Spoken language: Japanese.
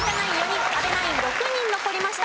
人阿部ナイン６人残りました。